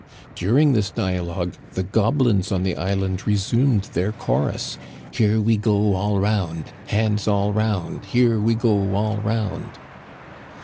" During this dialogue the goblins on the island re sumed their chorus :Here we go all round, Hands all round, Here we go all round.'